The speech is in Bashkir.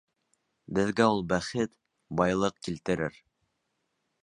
Беҙгә ул бәхет, байлыҡ килтерер.